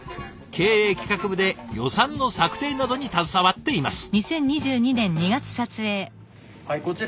経営企画部で予算の策定などに携わっています。